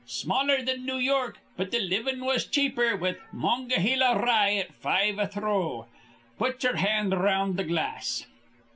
Smaller thin New York, but th' livin' was cheaper, with Mon'gahela rye at five a throw, put ye'er hand around th' glass.